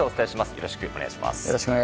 よろしくお願いします。